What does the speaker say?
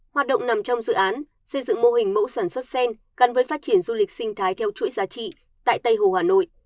hoạt động nằm trong dự án xây dựng mô hình mẫu sản xuất sen gắn với phát triển du lịch sinh thái theo chuỗi giá trị tại tây hồ hà nội